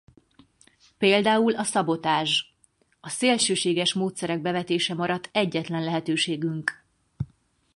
Például a szabotázs... A szélsőséges módszerek bevetése maradt egyetlen lehetőségünk.